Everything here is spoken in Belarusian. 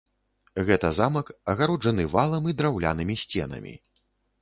Гэта замак, агароджаны валам і драўлянымі сценамі.